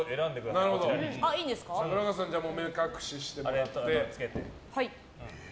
さくらこさんは目隠ししてもらって。